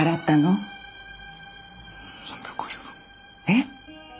えっ！？